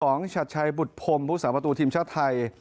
ของฉัดชัยบุทพรวมบุคคษาประตูทีมชาติไทย